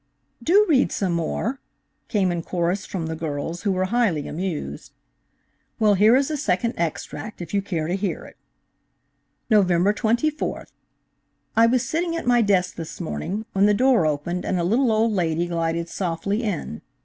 "Do read some more," came in chorus from the girls, who were highly amused. "Well, here is a second extract, if you care to hear it." Nov. 24th.–" I was sitting at my desk this morning, when the door opened and a little old lady glided softly in.